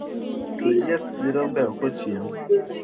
Twe diek gi rombe oko ochiem